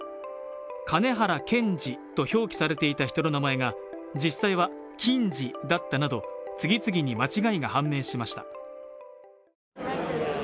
カネハラ・ケンジと表記されていた人の名前が実際は、キンジだったなど次々に間違いが判明しました。